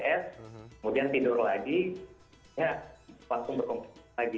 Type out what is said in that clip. kemudian tidur lagi ya langsung berkompetisi lagi